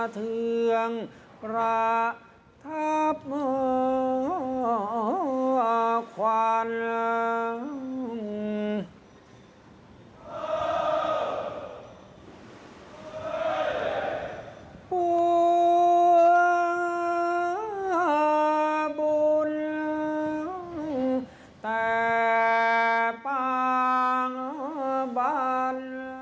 แต่ปางบัน